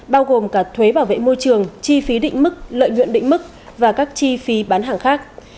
bao gồm cả thuế bảo vệ môi trường chi phí định mức lợi nhuận định mức và các chi phí bán hàng khác